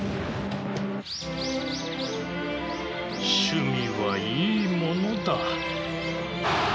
趣味はいいものだ。